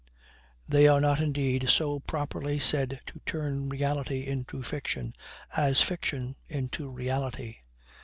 They are not, indeed, so properly said to turn reality into fiction, as fiction into reality.